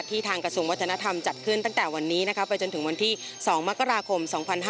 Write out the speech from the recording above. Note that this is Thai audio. ทางกระทรวงวัฒนธรรมจัดขึ้นตั้งแต่วันนี้ไปจนถึงวันที่๒มกราคม๒๕๕๙